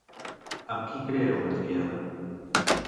Amb qui crea una tríada?